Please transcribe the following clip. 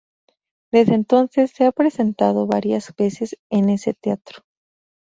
Desde entonces se ha presentado varias veces en ese teatro.